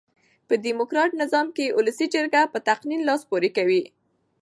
په ډیموکرات نظام کښي اولسي جرګه په تقنين لاس پوري کوي.